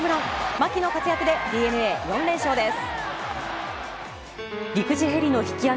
牧の活躍でＤｅＮＡ、４連勝です。